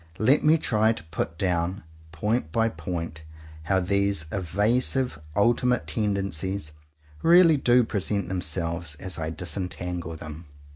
Let me try to put down, point by point, how these evasive ultimate tendencies really do present them selves as I disentangle them.